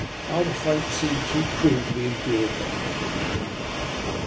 Our fate seemed too cruel to be endured by mortal man.